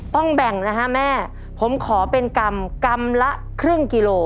ต้องแบ่งนะฮะแม่ผมขอเป็นกรรมกรรมละครึ่งกิโล